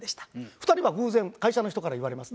２人は偶然会社の人から言われます。